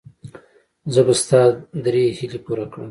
زه به ستا درې هیلې پوره کړم.